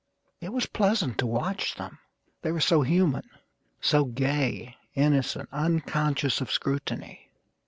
It was pleasant to watch them, they were so human; So gay, innocent, unconscious of scrutiny.